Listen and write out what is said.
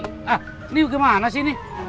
ini gimana sih